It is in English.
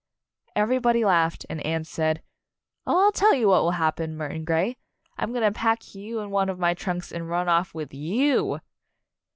Everybody laughed, and Anne said, "Oh, I'll tell you what will happen, Mur ton Grey, I'm going to pack you in one of my trunks and run off with you!"